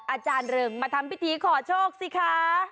อาจารย์เริงมาทำพิธีขอโชคสิคะ